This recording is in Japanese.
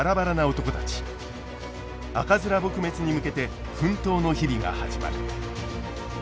赤面撲滅に向けて奮闘の日々が始まる。